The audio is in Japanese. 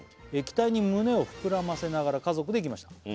「期待に胸を膨らませながら家族で行きました」